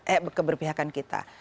eh keberpihakan kita